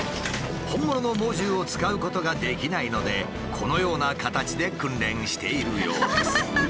本物の猛獣を使うことができないのでこのような形で訓練しているようです。